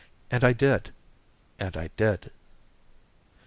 And I did and I did."